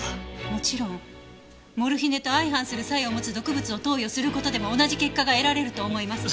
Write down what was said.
もちろんモルヒネと相反する作用を持つ毒物を投与する事でも同じ結果が得られると思います。